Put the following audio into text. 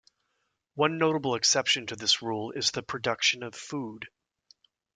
One notable exception to this rule is the production of food.